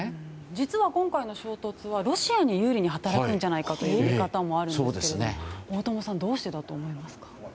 実は今回の衝突はロシアに有利に働くんじゃないかという見方もあるんですけど大友さんどうしてだと思いますか。